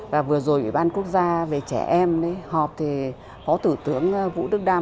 và vừa rồi ủy ban quốc gia về trẻ em họp thì phó thủ tướng vũ đức đam